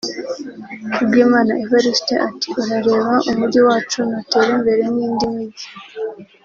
Kubwimana Evariste ati “urareba umujyi wacu ntutera imbere nk’indi mijyi